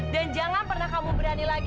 dan jangan pernah kamu berani lagi